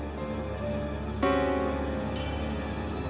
aku mau kita sekedar balik